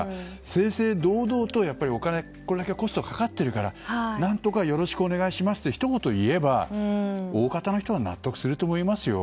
正々堂々と、これだけコストがかかってるから何とかよろしくお願いしますとひと言いえば、大方の人は納得すると思いますよ。